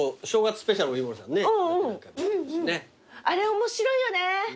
あれ面白いよね